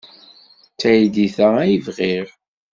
D taydit-a ay bɣiɣ.